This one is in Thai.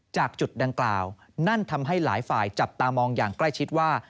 จากจุดดังกล่าวนั่นทำให้หลายฝ่ายจับตามองอย่างใกล้ชิดว่า